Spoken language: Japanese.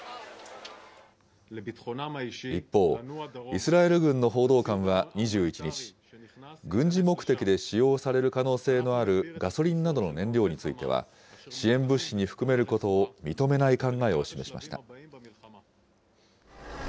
一方、イスラエル軍の報道官は２１日、軍事目的で使用される可能性のあるガソリンなどの燃料については、支援物資に含めることを認めない考えを示しました。